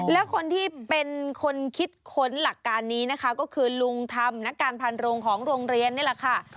แล้วคนที่เป็นคนคิดค้นหลักการนี้นะคะก็คือลุงธรรมนักการพันโรงของโรงเรียนนี่แหละค่ะ